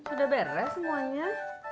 udah beres semuanya